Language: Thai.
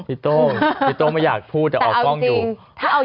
พี่โต้งพี่โต้งไม่อยากพูดเดี๋ยวออกก้องอยู่